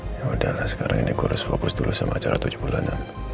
yaudah lah sekarang ini gue harus fokus dulu sama acara tujuh bulanan